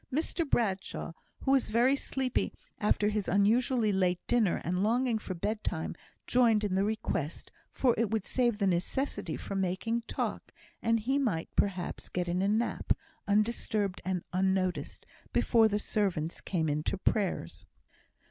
Mr Bradshaw, who was very sleepy after his unusually late dinner, and longing for bedtime, joined in the request, for it would save the necessity for making talk, and he might, perhaps, get in a nap, undisturbed and unnoticed, before the servants came in to prayers.